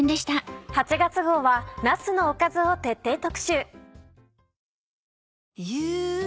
８月号はなすのおかずを徹底特集。